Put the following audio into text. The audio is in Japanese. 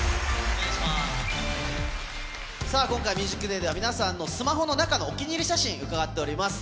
今回、ＴＨＥＭＵＳＩＣＤＡＹでは、皆さんのスマホの中のお気に入り写真、伺っています。